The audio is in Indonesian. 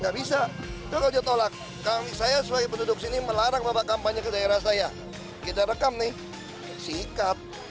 gak bisa coba dia tolak kami saya sebagai penduduk sini melarang bapak kampanye ke daerah saya kita rekam nih sikat